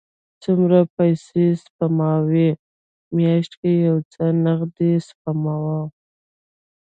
څومره پیسی سپموئ؟ میاشت کې یو څه نغدي سپموم